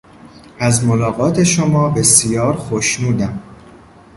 از ملاقات شما بسیار خوشنودم.